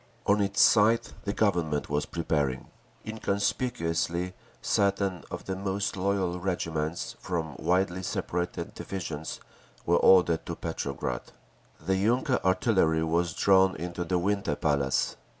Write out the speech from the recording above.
On its side the Government was preparing. Inconspicuously certain of the most loyal regiments, from widely separated divisions, were ordered to Petrograd. The yunker artillery was drawn into the Winter Palace.